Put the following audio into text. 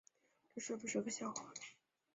这是不是个笑话